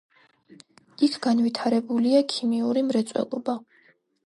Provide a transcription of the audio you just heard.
იქ განვითარებულია ქიმიური მრეწველობა.